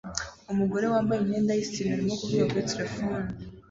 Umugore wambaye imyenda yisine arimo kuvugana kuri terefone